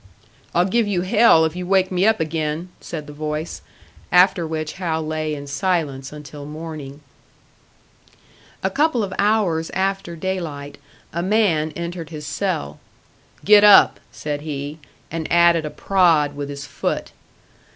"I'll give you hell if you wake me up again," said the voice; after which Hal lay in silence until morning. A couple of hours after daylight, a man entered his cell. "Get up," said he, and added a prod with his foot.